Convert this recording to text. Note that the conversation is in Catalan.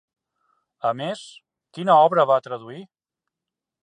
A més, quina obra va traduir?